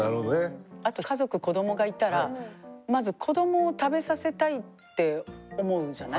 あと家族子供がいたらまず子供を食べさせたいって思うんじゃない？